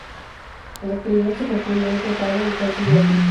En la actualidad, se construyó otro faro, el cual sigue allí.